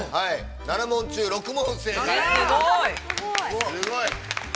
７問中６問正解。